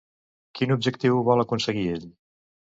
Quin objectiu vol aconseguir ell?